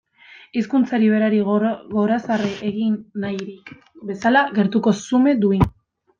Hizkuntzari berari gorazarre egin nahirik bezala, gertuko, xume, duin.